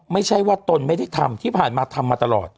ไม่ใช่ว่าตนไม่ได้ทำที่ผ่านมาทำมาตลอด